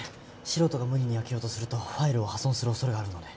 素人が無理に開けようとするとファイルを破損する恐れがあるので。